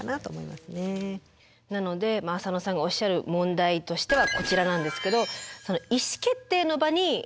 なので浅野さんがおっしゃる問題としてはこちらなんですけど。